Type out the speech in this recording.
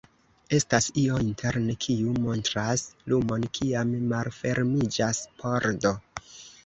Estas io interne, kiu montras lumon kiam malfermiĝas pordo.